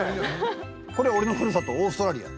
これ俺のふるさとオーストラリア。